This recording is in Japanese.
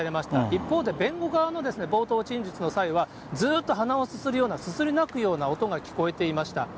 一方で弁護側の冒頭陳述の際は、ずーっと鼻をすするような、すすり泣くような音が聞こえていました。